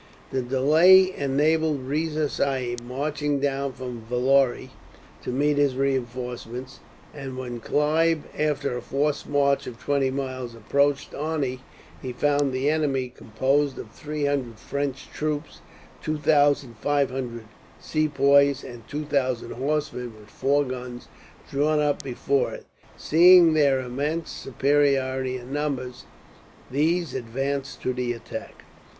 The delay enabled Riza Sahib, marching down from Vellore, to meet his reinforcements; and when Clive, after a forced march of twenty miles, approached Arni, he found the enemy, composed of three hundred French troops, two thousand five hundred Sepoys, and two thousand horsemen, with four guns, drawn up before it. Seeing their immense superiority in numbers, these advanced to the attack.